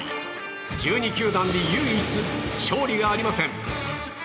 １２球団で唯一勝利がありません。